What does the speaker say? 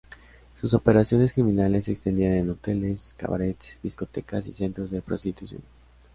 Sus operaciones criminales se extendían en hoteles, cabarets, discotecas y centros de prostitución.